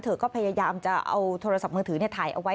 เธอก็พยายามจะเอาโทรศัพท์มือถือถ่ายเอาไว้